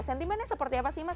sentimennya seperti apa sih mas